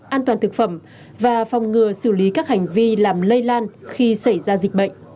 an toàn thực phẩm và phòng ngừa xử lý các hành vi làm lây lan khi xảy ra dịch bệnh